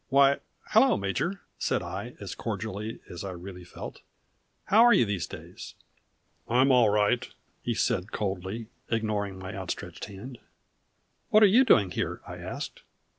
"Why hello, Major!" said I, as cordially as I really felt. "How are you these days?" "I'm all right," he said coldly, ignoring my outstretched hand. "What are you doing here?" I asked.